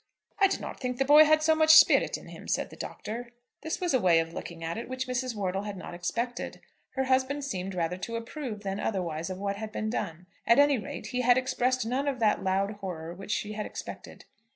"I did not think the boy had so much spirit in him," said the Doctor. This was a way of looking at it which Mrs. Wortle had not expected. Her husband seemed rather to approve than otherwise of what had been done. At any rate, he had expressed none of that loud horror which she had expected.